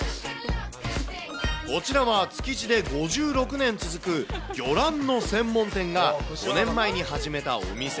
こちらは築地で５６年続く魚卵の専門店が５年前に始めたお店。